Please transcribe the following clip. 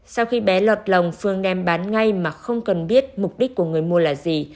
sau khi bé lọt lòng phương đem bán ngay mà không cần biết mục đích của người mua là gì